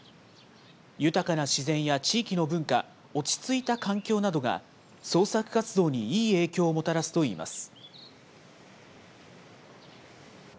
豊かな自然や地域の文化、落ち着いた環境などが、創作活動にいい影響をもたらすといいます。